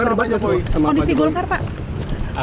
masalah politik apa